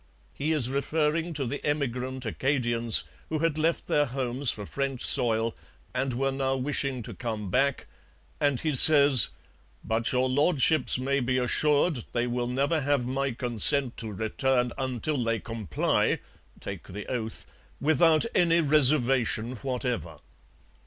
He is referring to the emigrant Acadians who had left their homes for French soil and were now wishing to come back, and he says: 'But Your Lordships may be assured they will never have my consent to return until they comply [take the oath] without any reservation whatever.'